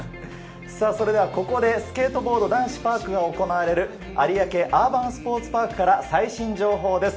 ここでスケートボード男子パークが行われる有明アーバンスポーツパークから最新情報です。